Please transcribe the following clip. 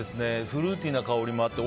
フルーティーな香りもあって。